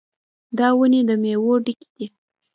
دا ونې د میوو ډکې دي.